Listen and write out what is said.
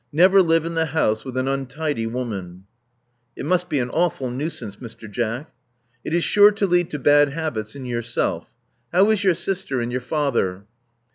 Never live in the house with an untidy woman," It must be an awful nuisance, Mr. Jack." '*It is sure to lead to bad habits in yourself. How is your sister, and your father?"